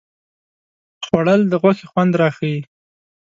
خوړل د غوښې خوند راښيي